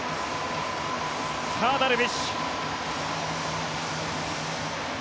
さあ、ダルビッシュ。